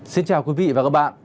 xin chào quý vị và các bạn